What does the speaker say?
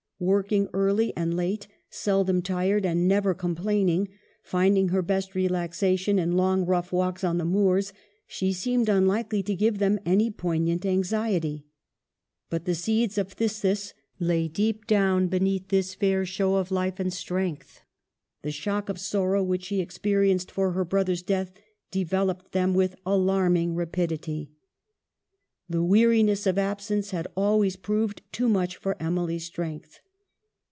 Working early and late, seldom tired and never complaining, finding her best relaxation in long, rough walks on the moors, she seemed unlikely to give them any poignant anxiety. But the seeds of phthisis lay deep down beneath this fair show of life and strength ; the shock of sorrow which she experienced for her brother's deatl developed them with alarming rapidity. The weariness of absence had always provec too much for Emily's strength.